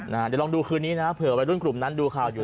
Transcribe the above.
เดี๋ยวลองดูคืนนี้นะเผื่อวัยรุ่นกลุ่มนั้นดูข่าวอยู่